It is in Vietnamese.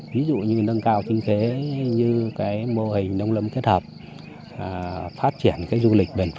ví dụ như nâng cao sinh kế như cái mô hình nông lâm kết hợp phát triển cái du lịch bền phự